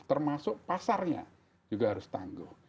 termasuk pasarnya juga harus tangguh